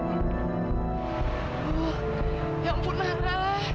oh ya ampun narai